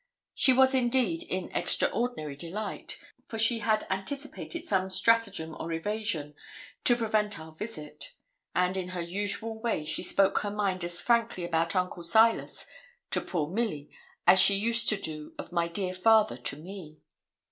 She was, indeed, in extraordinary delight, for she had anticipated some stratagem or evasion to prevent our visit; and in her usual way she spoke her mind as frankly about Uncle Silas to poor Milly as she used to do of my dear father to me.